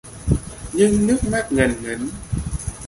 nhưng nước mắt ngần ngấn